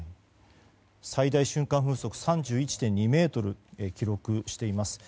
最大瞬間風速で３１．２メートルを記録しています。